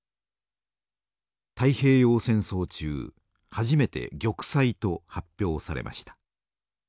太平洋戦争中初めて玉砕と発表されました。